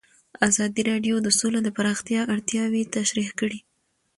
ازادي راډیو د سوله د پراختیا اړتیاوې تشریح کړي.